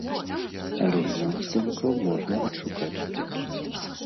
Арыгінал здымкаў можна адшукаць тут.